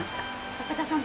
高田さん